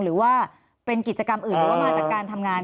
หรือว่าเป็นกิจกรรมอื่นหรือว่ามาจากการทำงาน